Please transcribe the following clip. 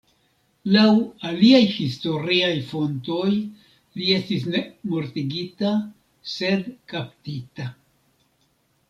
Laŭ aliaj historiaj fontoj li estis ne mortigita, sed kaptita.